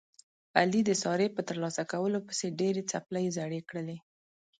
علي د سارې په ترلاسه کولو پسې ډېرې څپلۍ زړې کړلې.